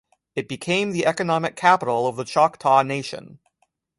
It became the economic capital of the Choctaw Nation.